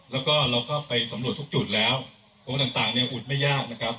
แล้วก็เราก็ไปสำรวจทุกจุดแล้วองค์ต่างเนี่ยอุดไม่ยากนะครับ